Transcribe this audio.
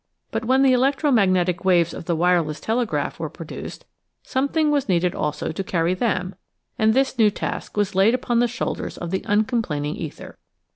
But when the electro magnetic waves of the wireless telegraph were produced some thing was needed also to carry them and this new task was laid upon the shoulders of the uncomplaining ether.